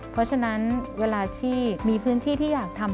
เพราะฉะนั้นเวลาที่มีพื้นที่ที่อยากทำ